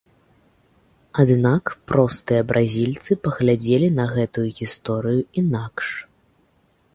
Аднак простыя бразільцы паглядзелі на гэтую гісторыю інакш.